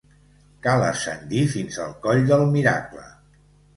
Cal ascendir fins al Coll del Miracle.